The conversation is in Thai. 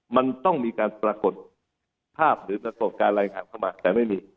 มันต้องมีการปรากฏภาพหรือปรากฏการณ์รายงานเข้ามาแต่ไม่มี